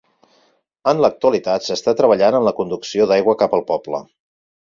En l'actualitat s'està treballant en la conducció d'aigua cap al poble.